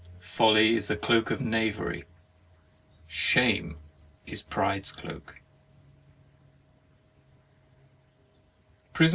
Folly is the cloak of knavery. Shame is Pride's cloak.